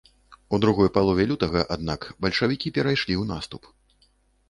У другой палове лютага, аднак, бальшавікі перайшлі ў наступ.